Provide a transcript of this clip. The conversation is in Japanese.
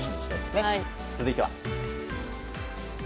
続いては。